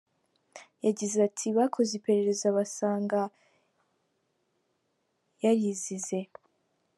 Yagize ati “Bakoze iperereza basanga yarizize.